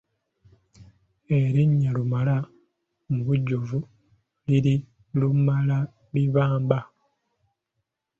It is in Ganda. Erinnya Lumala mubujjuvu liri Lumalabibamba.